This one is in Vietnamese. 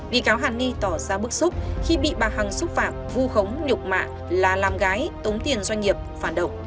bị cáo hàn nghi tỏ ra bức xúc khi bị bà hằng xúc phạm vu khống nhục mạng là làm gái tốn tiền doanh nghiệp phản động